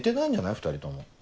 ２人とも。